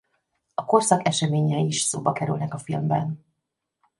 A korszak eseményei is szóba kerülnek a filmben.